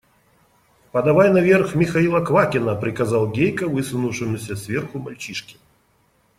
Подавай наверх Михаила Квакина! – приказал Гейка высунувшемуся сверху мальчишке.